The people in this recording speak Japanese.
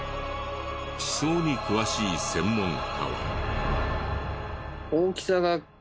地層に詳しい専門家は。